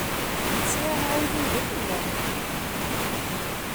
Sεiɣ aεudiw d amellal.